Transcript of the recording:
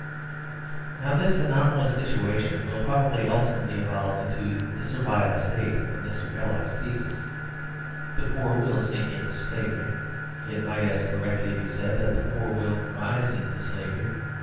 Now this anomalous situation will probably ultimately evolve into the Servile State of Mr. Belloc's thesis. The poor will sink into slavery; it might as correctly be said that the poor will rise into slavery.